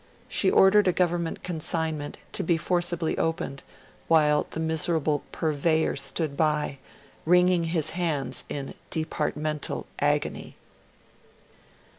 She ordered a Government consignment to be forcibly opened while the miserable 'Purveyor' stood by, wringing his hands in departmental agony.